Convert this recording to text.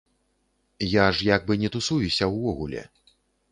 Я ж як бы не тусуюся ўвогуле.